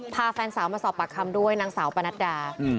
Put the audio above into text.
พาแฟนสาวมาสอบปากคำด้วยนางสาวปนัดดา